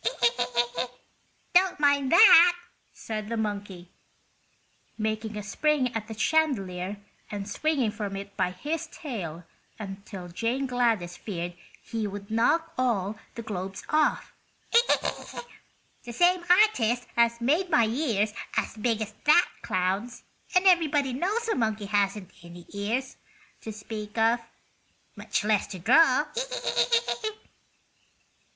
"Don't mind that," said the monkey, making a spring at the chandelier and swinging from it by his tail until Jane Gladys feared he would knock all the globes off; "the same artist has made my ears as big as that clown's and everyone knows a monkey hasn't any ears to speak of—much less to draw."